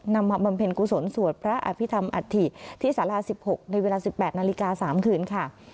มาบำเพ็ญกุศลสวดพระอภิษฐรรัฐิที่สารา๑๖ในเวลา๑๘นาฬิกา๓คืนค่ะ